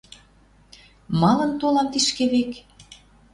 Малын толам тишкевек?